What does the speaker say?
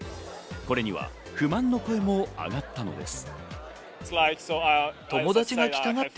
これには不満の声も上がったのです。